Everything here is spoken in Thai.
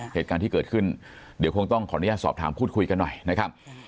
เหตุการณ์ที่เกิดขึ้นเดี๋ยวคงต้องขออนุญาตสอบถามพูดคุยกันหน่อยนะครับ